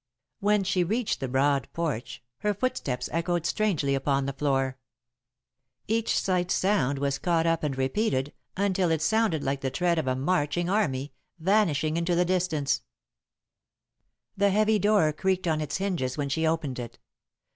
When she reached the broad porch, her footsteps echoed strangely upon the floor. Each slight sound was caught up and repeated until it sounded like the tread of a marching army, vanishing into the distance. [Sidenote: The Desolate House] The heavy door creaked on its hinges when she opened it.